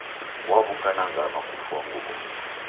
Waw'uka na ngama kufua nguw'o.